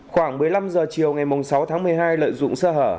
khoảng một mươi năm h chiều ngày sáu tháng một mươi hai lợi dụng sơ hở